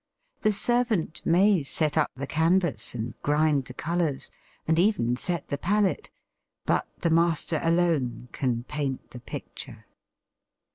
The servant may set up the canvas and grind the colours, and even set the palette, but the master alone can paint the picture.